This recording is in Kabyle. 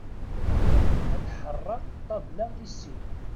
Bɣiɣ ad ḥerreɣ ṭabla i sin.